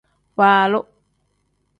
Waalu.